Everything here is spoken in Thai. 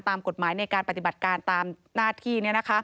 ตามกฎหมายในการปฏิบัติการตามหน้าที่